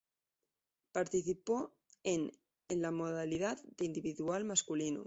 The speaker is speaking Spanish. Participó en en la modalidad de Individual Masculino.